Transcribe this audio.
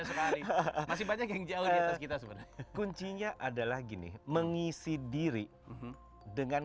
tidak muda sekali hakim banyak yang unreality tersebut kuncinya adalah gini mengisi diri dengan